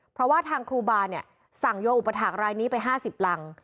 เพราะว่าทางครูบาเนี่ยสั่งโยอุปถาครายนี้ไป๕๐รัง